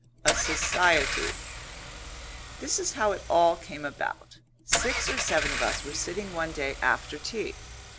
A SOCIETY This is how it all came about. Six or seven of us were sitting one day after tea.